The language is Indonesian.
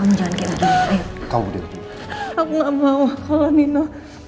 aku gak mau kalau nino